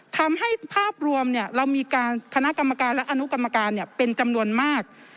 ภาพรวมเรามีการคณะกรรมการและอนุกรรมการเป็นจำนวนมาก